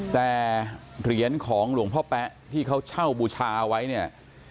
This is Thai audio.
แต่เหรียญของหลวงพ่อแป๊ะที่เขาเช่าบูชาไว้เนี่ย